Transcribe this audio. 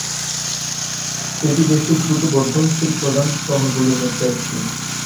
এটি দেশে দ্রুত বর্ধনশীল প্রধান শহরগুলির মধ্য একটি।